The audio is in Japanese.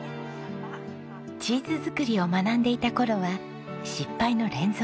チーズ作りを学んでいた頃は失敗の連続。